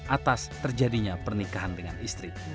atas terjadinya pernikahan dengan istri